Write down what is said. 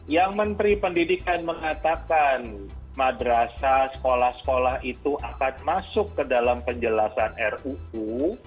yang menteri pendidikan mengatakan madrasah sekolah sekolah itu akan masuk ke dalam penjelasan ruu